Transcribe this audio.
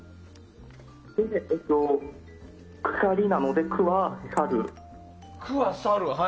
鎖なので、「く」は去る。